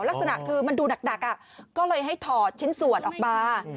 ลักษณะคือมันดูหนักก็เลยให้ถอดชิ้นส่วนออกมา